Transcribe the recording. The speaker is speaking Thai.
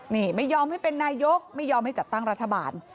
นี่ไม่ยอมให้เป็นนายกไม่ยอมให้จัดตั้งรัฐบาล